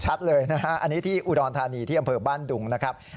เลยนะฮะอันนี้ที่อุดรธานีที่อำเภอบ้านดุงนะครับ